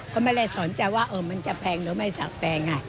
ก็ไม่ได้สนใจว่ามันจะแพงหรือไม่สักแพง